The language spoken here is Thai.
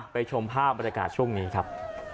ชมภาพบรรยากาศช่วงนี้ครับ